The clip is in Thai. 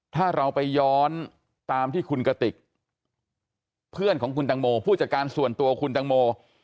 ถ้าเราไปย้อนตามที่คุณกติกเพื่อนของคุณตังโมผู้จัดการส่วนตัวคุณตังโม